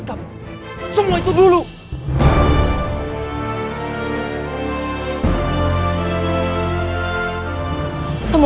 kalau nyetir gak boleh lamun